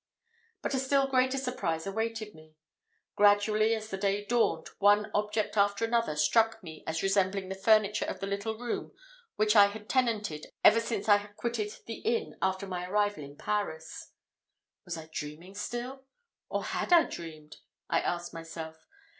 But a still greater surprise awaited me. Gradually as the day dawned, one object after another struck me as resembling the furniture of the little room which I had tenanted ever since I quitted the inn after my arrival in Paris. Was I dreaming still? or had I dreamed? I asked myself.